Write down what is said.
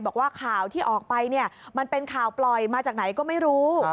บอกว่าข่าวที่ออกไปเนี่ยมันเป็นข่าวปล่อยมาจากไหนก็ไม่รู้